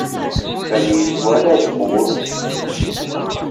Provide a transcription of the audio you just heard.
Sami yeswa Red Bull.